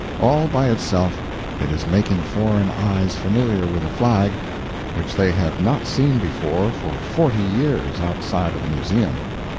All by itself it is making foreign eyes familiar with a Flag which they have not seen before for forty years, outside of the museum.